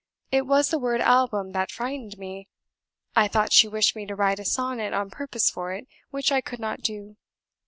It was the word 'Album' that frightened me I thought she wished me to write a sonnet on purpose for it, which I could not do.